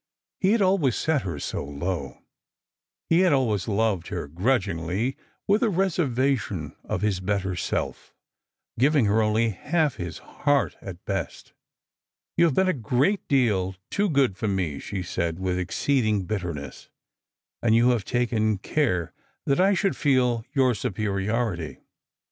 He had always set her so low; he had always loved her grudgingly, with a reservation of his better self, giving her only half his heart at best. " You have been a great deal too good for me," she said with exceeding bitterness, " and you have taken care ' .^t I should feel your superiority.